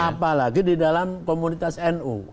apalagi di dalam komunitas nu